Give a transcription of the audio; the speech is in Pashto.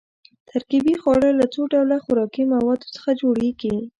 ترکیبي خواړه له څو ډوله خوراکي موادو څخه جوړیږي.